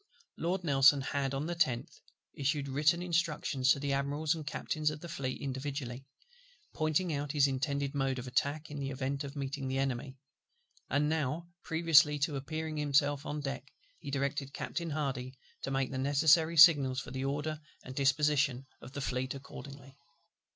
Lord NELSON had, on the 10th, issued written Instructions to the Admirals and Captains of the Fleet individually, pointing out his intended mode of attack in the event of meeting the Enemy; and now, previously to appearing himself on deck, he directed Captain HARDY to make the necessary signals for the order and disposition of the Fleet accordingly.